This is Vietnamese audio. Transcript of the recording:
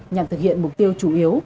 nhằm thực hiện mục tiêu chủ yếu